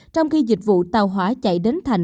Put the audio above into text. trong khi dịch vụ tàu hỏa chạy đến thành